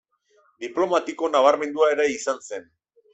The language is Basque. Diplomatiko nabarmendua ere izan zen.